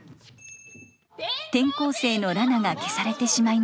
転校生のラナが消されてしまいました。